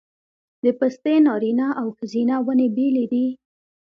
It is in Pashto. د پستې نارینه او ښځینه ونې بیلې دي؟